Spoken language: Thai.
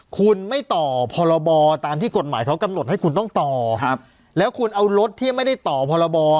คุณไม่ต่อพรบตามที่กฎหมายเขากำหนดให้คุณต้องต่อครับแล้วคุณเอารถที่ไม่ได้ต่อพรบ